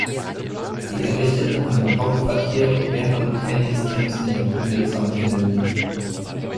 Sie errichteten ein Hauptquartier und mehrere Trainingscamps in dem unwegsamen Gelände.